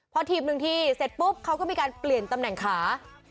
พอถีบหนึ่งทีเสร็จปุ๊บเขาก็มีการเปลี่ยนตำแหน่งขา